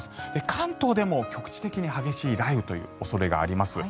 関東でも局地的に激しい雷雨という恐れがあります。